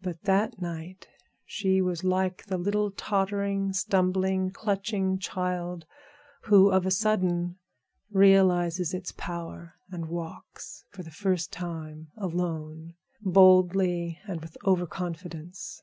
But that night she was like the little tottering, stumbling, clutching child, who of a sudden realizes its powers, and walks for the first time alone, boldly and with over confidence.